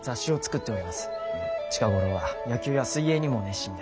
近頃は野球や水泳にも熱心で。